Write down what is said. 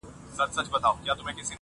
• ته ټيک هغه یې خو اروا دي آتشي چیري ده.